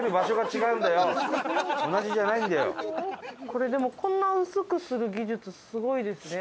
これでもこんな薄くする技術すごいですね。